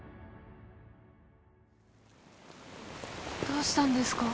どうしたんですか？